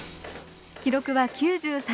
記録は９３回。